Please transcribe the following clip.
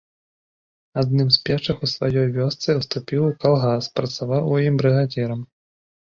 Адным з першых у сваёй вёсцы уступіў у калгас, працаваў у ім брыгадзірам.